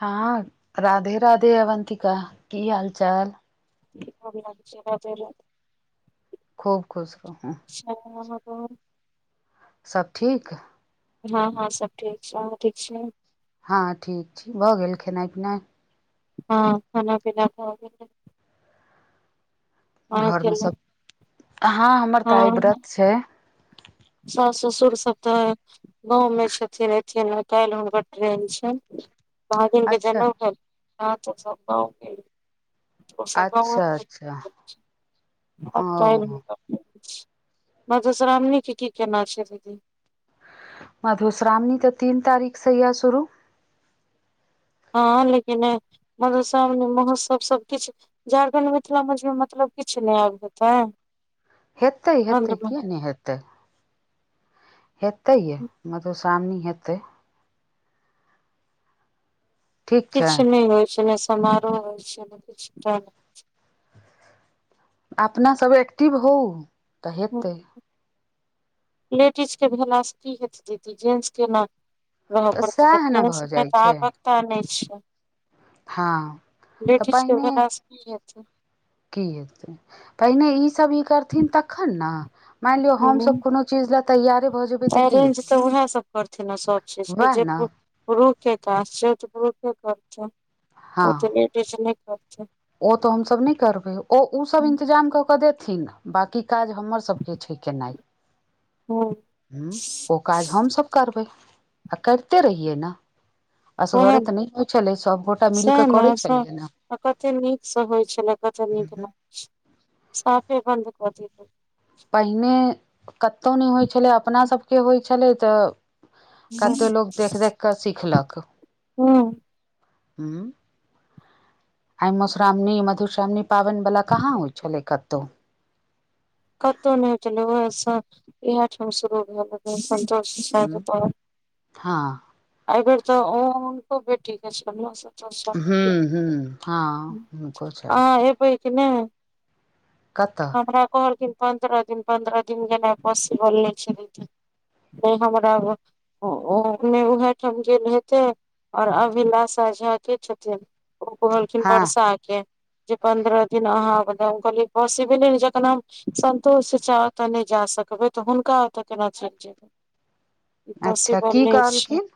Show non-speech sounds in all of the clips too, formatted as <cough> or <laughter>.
हँ राधे राधे अवन्तिका की हाल चाल भ लागै छै ब <unintelligible> खूब खुश रहूँ अच्छा सब ठीक हँ हँ सब ठीक छै अहाँ ठीक छिय हँ ठीक छी भऽ गेल खेनाइ पिनाइ हँ खाना पीना भ गेले अहाँ घर में खेलौ सब हाँ हमर आइ हँ व्रत छै सास ससुर सब त गाँव में छथिन एथि काल्हि हुनकर ट्रेन छै भगिन कें अच्छा जनौउ करथिन सब गाँव गेलखिन ओ सभ गांव अच्छा अच्छा ओ मधुश्रामणी के की केना छै दीदी मधुश्रावनी तऽ तीन तारीख सँ या सुुरू हँ लेकिन ए मधुश्रावणी महोत्सव सबकिछ झारखण्ड मिथिला मे छै मतलब किछ नहि आब पता हेतै हेतै किएक नहि हेतै हेतै ये मधुश्रावणी हेतै ठीक छै किछ नहि होइ छै ने समारोह होइ छै ने किछ टा अपना सभ एक्टिव होउ त हेतै लेडीज के भेलासँ की हेत दीदी जेंट्स के न रह तऽ पड़ते त सएह ने समय भऽ तऽ जाइ अता छै पता नहि छै हँ तऽ ब्रिटिश के पहिने गेला सँ की हैतेय की हैतेय पहिनै ई सब ई करथिन तखन ने मान लियौ हमस हूँ कोनो चीज लए तैयारे भऽ जेबै तऽ की अरेंज हेतै तऽ उएह सब करथिन आ चीज सब छै से उएह ने जयपुर पुरुख के काज छै ओ त पुरुखे करते हँ ओते लेडीज नहि करतय ओ त हमसभ नहि करबै ओ ओसभ इन्तजाम क क देथिन बाकी काज हमर सबके छै केनाइ हँ ह ओ काज हमसभ करबै आ करिते रहियै ने ओएह असगरे ने तऽ नहि होइ छलै सभगोटा मिल सएह क ने करै सब छलियै ने आ कते नीक से होइ छलै कते नीक लाग छै साफे बन्द भऽ जेते पहिने कतहु नहि होइ छलै अपना सभके होइ छलै तऽ कते देलकै लोक देख देख के सिखलक हूँ आइ मधुश्रावणी मधुश्रावणी पाबैन वला कहाँ होइ छलै कतहु कतहु नहि होटल ओस इएह ठाम शुरू भेल संतोष सप हूँ <unintelligible> हँ एहि बेेर त हुनको बेटी के छै हूँ हूँ हँ हुनको <unintelligible> छनि अहा एबै कि नहि कतअ हमरा कहलखिन पन्द्रह दिन पन्द्रह दिन जेना पसिबल नहि छै दीदी नहि हमरा <unintelligible> ओमे उहै ठाम गेल हेते ओर अभिलाषा झा के छथिन ओ कहलखिन हँ वर्षा के जे पन्द्रह दिन अहाँ ओ <unintelligible> कहलियै पॉसिबल न जखन हम सन्तोष चचा ओत नहि जा सकबै त हुनका ओत केना चलि जेबै अच्छा पॉसिबल की नहि कहलखिन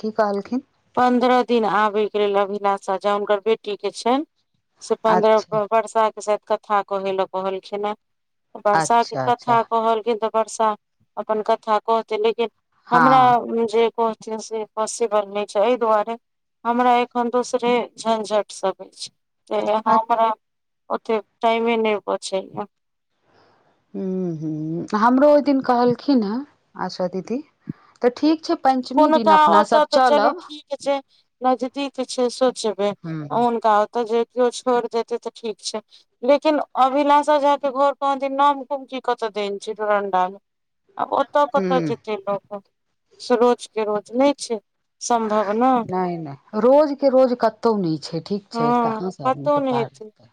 की कहलखिन पन्द्रह दिन आबय के लेल अभिलाषा ज हुनकर बेटीक के छैन से पन्द्रह अच्छा क बरसा के शायद कथा कहे लऽ कहलखिन वर्षाके अच्छा अच्छा कथा कहलखिन तऽ वर्षा अपन कथा कहथिन लेकिन हमरा हँ जे कह च से पॉसिबल नहि छै एहि दुआरे हमरा एखन दोस सरे झंझट सब अछि त अ यहाँ हमरा ओते टाइमे नहि बचैया ह ह हमरो ओहि दिन कहलखिन है आशा दीदी तऽ ठीक छै पं्चमी दिन अपना सब चलब जे जे नजदीक छै सोचबै हूँ हुनका ओ तऽ जे कियो छोड़ देतै तऽ ठीक छै लेकिन अभिलाषा झा के घर कहादिन नवगाम की कत देने छै डरंडा मे आब ओतऽ कतऽ हूँ जेतै लोक से रोज के रोज नहि छै सम्भव ना नइ नइ रोज के रोज कतो न छै ठीक छै हँ कहाँ से आदमी कतहु के नहि पार हेतै लगतै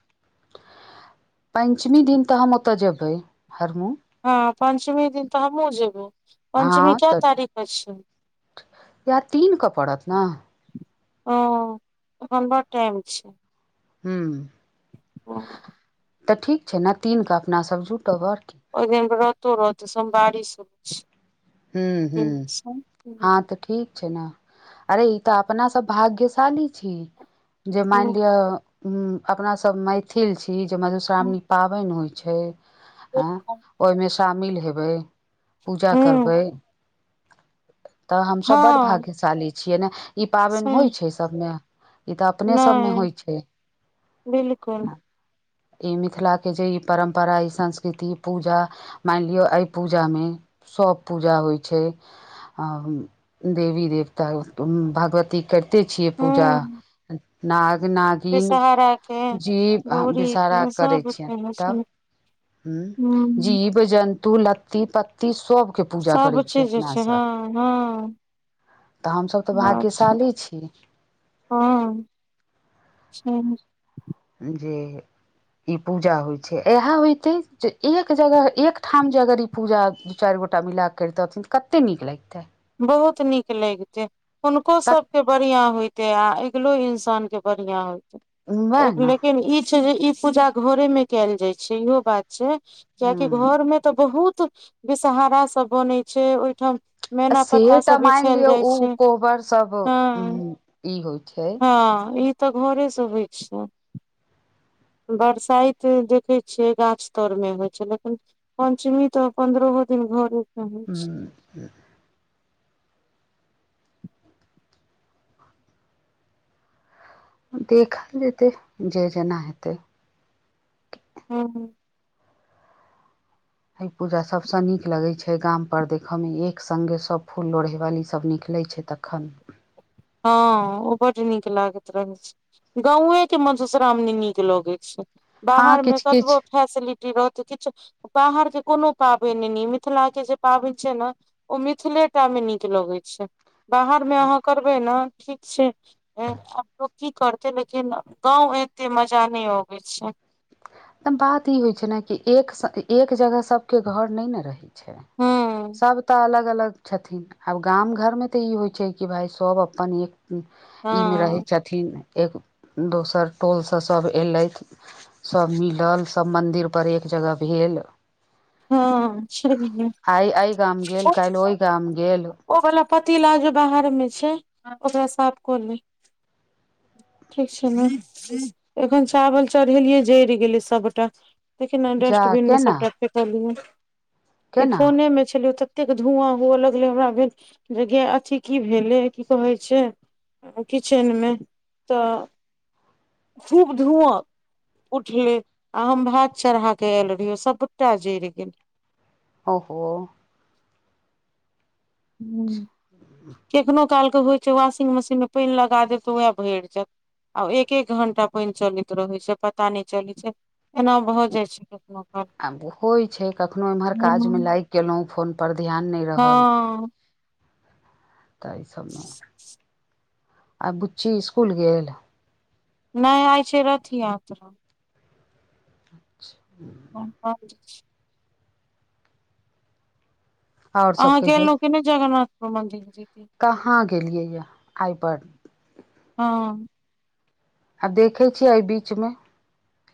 पञ्चमी दिन तऽ हम ओतऽ जेबै हरमो हँ पञ्चमी दिन तऽ हमहु जेबे हँ त या तीन के पड़त ने ओ एखन बड़ टाइम छै हू <unintelligible> तऽ ठीक छै ने तीन कऽ अपनासभ जुटब ओर की ओहि दिन रतो रहते सोमवारी सब छै हूँ हूँ आ त ठीक छै ने अरे ई तऽ अपना सब भाग्यशाली छी जे मानि लिअ अपनासभ मैथिल छी जे हुं मधुश्रावणी पाबैन होइ छै हँ ओहिमे शामिल हेबै पूजा करबै तऽ हमसभ बड हँ भाग्यशाली छियै ने ई पाबनि होइ सुन छै सभमे ई त अपने सभ मे नहि होइ छै बिलकुल ई मिथिलाके जे ई परम्परा ई संस्कृति पूजा मान लियौ एहि पूजामे सब पूजा होइ छै देवी देवता भगवती के कैरते छियै पूजा हुं नाग नागिन बेसहारा के जीव गौरी विषहारा के करै सब छियै के है तब सुन हूँ हुं जीव जन्तु लत्ती पत्ती सब के पूजा सब करै छियै चीज जे छै अपनासब हँ हँ तऽ हमसभ तऽ बस भाग्यशाली छी हँ छिय जे ई पूजा होइ छै इहा होयते जे एक जगह एक ठाम जे अगर ई पूजा दू चार गोटा मिलाके करते अखेन कते नीक लागतै बहुत नीक लेगते हुनको तक सभके बढ़िआँ होइतै आ अगिलो इंसानके बढ़िआँ वएह होइतै ने लेकिन ई छै जे ई पूजा घरे मे कायल जाइ छै इहो बात छै कियाकि ह घर मे तऽ बहुत विषहारा सब बनैत छै ओहिठाम आ मैना से पत्ता तऽ सब मानि बिछल लियौ जाइ ओ छै कोहबर सब हँ ई होइ छै हँ ई तऽ घरे से होइ छै बरसाइत देखैत छियै गाछ तर मे होइत छै लेकिन पंचमी तऽ पन्द्रहो दिन घरे से होइ छै हूँ <inaudible> देखल जेतै जे जेना हेतै हूँ हूँ ह पूजा सबस नीक लगे छै गाम पर देखय में एक संगगे सब फूल लोढ़े वाली सब निकले छै तखन हँ ओ बड नीक लागैत रह छै गाँव के मधुश्रावणी नीक लगैत छै हँ बाहर मे किछु किछु कतबो फैसिलिटी रहतै किछु बाहरके कोनो पाबेन ने मिथिला के जे पाबेन छै ने ओ मिथिले टामे नीक लगैत छै बाहरमे अहाँ करबै ने ठीक छै आब तो की करते लेकिन गाँंव एते मजा नहि आबै छै तऽ बात ई होइ छै ने कि एक एक जगह सभके घर नहि ने रही छै हूँ सब त अलग अलग छथिन आब गाम घर मे ते ई होइ छै कि भाय सब अपन एक हँ ई मे रहे छथि न एक दोसर टोलसँ सभ अयलथि सब मिलल सब मंदिर पर एक जगह भेल हँ छैहे आइ एह गाम गेल ओ काल्हि ओहि गाम गेल ओ वाला पतीला जो बाहर में छै ओकरा साफ कऽ लेबै ठीक छै ने एखन चावल चढ़ेलियै जेर गेलै सभटा देखिन जा डस्टबिन मे केना सबटा फेकलियै ई केना फोनेमे छलिय तऽ एतेक धुआँ हुअ लगले हमरा भेल जे ग अथी की भेले की कहै छै किचेनमे तऽ खूब धुआ उठले आ हम भात चढ़ाके आयल रहियौ सब टा जेइर गेले ओ हो ह केखनो कालके होइ छै वॉशिंग मशीनमे पानि लगा देब तऽ उएह भरि जायत आब एक एक घंटा पेन चलैत रहै छै पता नहि चलै छै एना भऽ जाइ छै कखनो काल आब केलहुॅं फोन पर ध्यान नहि रहल हँ त एहि सबमे आ बुच्ची स्कुल गेल नहि आय छै रथ यात्रा अच्छा <unintelligible> आओर सभ अहाँ कहियौ गेलौ कि नहि जगरनाथ मंदिर जी के कहाँ गेलियै यऽ आइपर हँ आ देखे छियै एहि बीच मे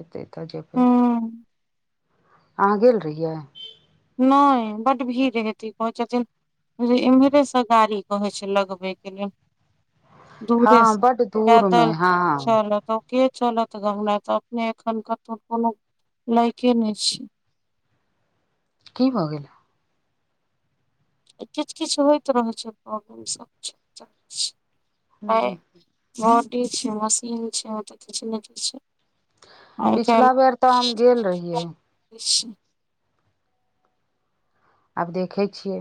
हेते तऽ जेबे हँ अहाँ गेल रहियै नहि बड भीड़ हेते कहे छथिन इम्हरे सँ गाड़ी कहै छै लगबे के लेल हँ दूरे से बड़ दूर मे पैदल हँ चलत ओ के चलत गमरा तऽ अपने एखन कतहु कोनो लाइके नहि छी की भऽ गेल किछ किछ होइत रहै छै प्रोबलेम सब छै त छै आइ ह बोट छै मशीन छै ओ तऽ किछ नै किछ आइ कैल पिछला बेर तऽ हम गेल रहियै <unintelligible> आब देखै छियै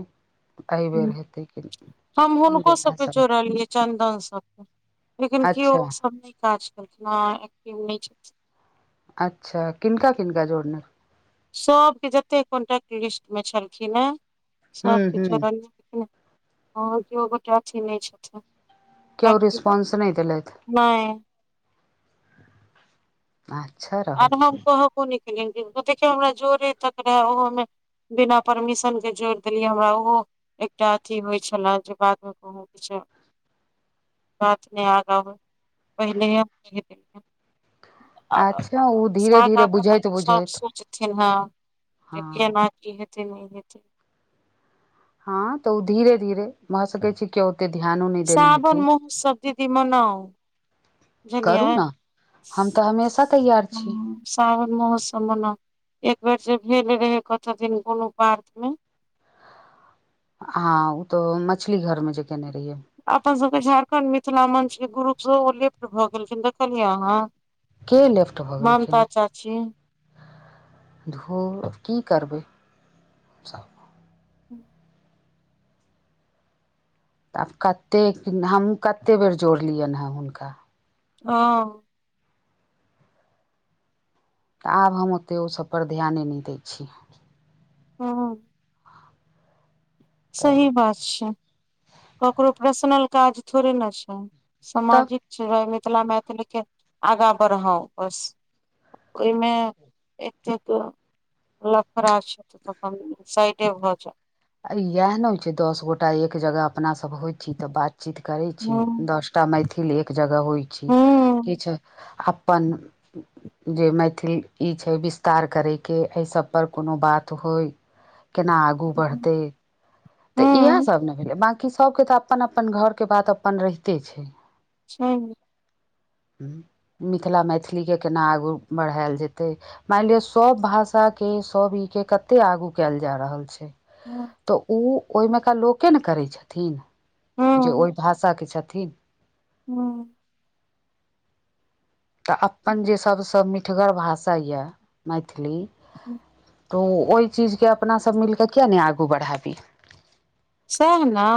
एहिबेर हेतै की हम हुनको सभके <unintelligible> जोड़लियै चन्दन सब लेकिन केओ अच्छा ओ सब नहि काज केलखिन ह एक्टिव नहि छथिन अच्छा किनका किनका जोड़ने सबके जतेक कॉन्टैक्ट लिस्ट मे छलखिन हे सभ हूँ केँ हूँ जोरलयैन ओ केउगोटा अथी नहि छथिन केओ रिस्पॉन्स न देेलैथ है नइ पाछर आर हम कहबो न केले देखियौ हमरा जोरे तक रहे ओहोमे बिना परमिशन के जोड़ देलियै हमरा ओहो एकटा अथी होय छले जे बाद मे कहु <unintelligible> बात ने आगा बढ़े पहिलेयो <unintelligible> अच्छा ओ धीरे साग धीरे अपन बुझैत अपन सब बुझैत सोचथिन हे जे हँ केना की हेते नहि हेतै हँ तऽ ओ धीरे धीरे भऽ सकै छै के ओते ध्यानो नहि देने हेते सावन महोत्सव दीदी मनाउ बुझलियै करू ने हम त हमेशा तैयार छी हँ सावन महोत्सव मने एक बेर जे भेल रहे कत दिन कोनो पार्क मे हँ ओ तो मछली घर में जे केने रहियै अपन सभके झारखण्ड मिथिला मंच के ग्रुप सेहो ओ लेफ्ट भऽ गेलखिन देखलियै अहाँ के लेफ्ट भऽ गेलखिन ममता हेँ चाची धु की करबै ह्म तऽ आब कतेक हम कतेक बेर जोड़लियनि हेँ हुनका ओ तऽ आब हम ओते ओसभ पर ध्याने नहि दै छी हँ तऽ सही बात छै ककरो पर्सनल काज थोड़े ना छै तब सामाजिक छिरे मिथिला मैथिल के आगाँ बढ़ा बस ओहिमे एतेक लफरा आ तऽ तऽ सइडे भ जाउ आ इएह ने होइ छै दस गोटा एक जगह अपना सभ होइत छी तऽ बात चीत करै छी हँ दस टा मैथिल एक जगह होइ छी हूँ किछ अपन जे मैथिल ई छै विस्तार करैके एहि सबपर कोनो बात होइ केना आगू बढ़त तऽ इएह हूँ सब ने भेलै बकी सभके तऽ अपन अपन घरके बात अपन रहिते छै छै ह मिथिला मैथिलीके केना आगू बढ़ायल जेतै मानि लिअ सभ भाषा के सभ ई के कते आगू कयल जा रहल छै हँ तऽ ओ ओहिमेका लोके ने करै छथिन जे हूँ ओहि भाषाके छथिन <unintelligible> तऽ अपन जे सबसँ मिठगर भाषा य मैथिली <unintelligible> त ओ ओहि चीज के अपना सब मिलिके किया नहि आगू बढ़ाबी सएह ने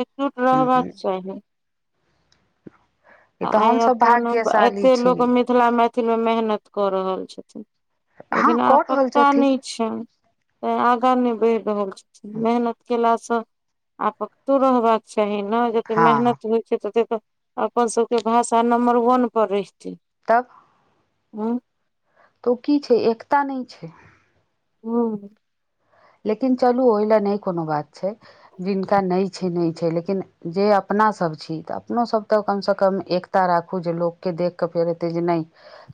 एकजुट रहबाक चाही <inaudible> आइ हमसभ अपन भाग्यशाली एते छी लोक मिथिला मैथिल मे मेहनत कऽ रहल छथिन हँ लेकिन आब कऽ रहल पता छथिन नहि अच्छा त आगाँ न बढ़ रहल छै मेहनत केलासँ आकतो रहबाक चाही ने जतेक हँ मेहनत होइत छै ततेक अपन सभके भाषा नम्बर वन पर रहितै तब हँ तऽ ओ की छै एकता नहि छै हू लेकिन चलू ओहि लए नहि कोनो बात छै जिनका नहि छै नहि छै लेकिन जे अपनासभ छी तऽ अपनोसभ तऽ कमसँ कम एकता राखू जे लोक के देख कऽ फेर एतै जे नहि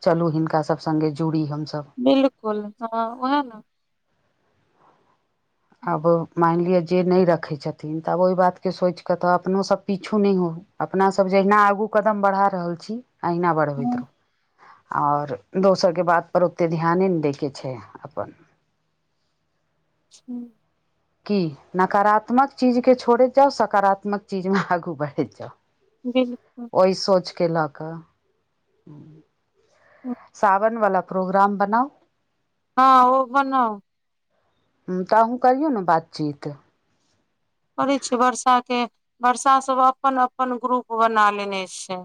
चलू हिनका सभ संगे जुड़ी हमसभ बिलकुल <unintelligible> अब मान लिअ जे नहि रखै छथिन तऽ आब ओहि बातके सोचिके तऽ अपनो सब पीछु नहि हो अपनासभ जहिना आगू कदम बढ़ा रहल छी अहिना बढ़बैत रहू ओर दोसरके बातपर ओतेक ध्याने नहि दैके छै अपन <unintelligible> की नकारात्मक चीजके छोड़ैत जाउ सकारात्मक चीजमे आगू बढ़ैत जाउ बिलकुल ओहि सोचके लऽ कऽ ह सावन वाला प्रोग्राम बनाउ हँ ओ बनौ तऽ अहूँ करियौ ने बातचीत करे छै बर्षा के वर्षा सब अपन अपन ग्रुप बना लेने छै